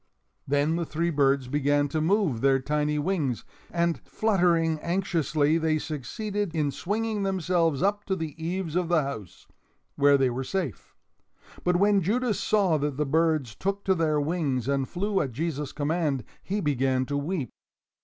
Then the three birds began to move their tiny wings, and, fluttering anxiously, they succeeded in swinging themselves up to the eaves of the house, where they were safe. But when Judas saw that the birds took to their wings and flew at Jesus' command, he began to weep.